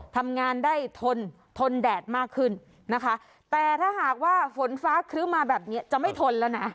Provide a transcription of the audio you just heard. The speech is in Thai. ทำงานได้ทนทนแดดมากขึ้นนะคะแต่ถ้าหากว่าฝนฟ้าครึ้มมาแบบนี้จะไม่ทนแล้วนะ